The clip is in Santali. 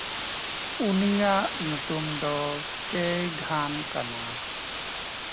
ᱩᱱᱤᱭᱟᱜ ᱧᱩᱛᱩᱢ ᱫᱚ ᱠᱮᱭᱜᱷᱟᱱ ᱠᱟᱱᱟ᱾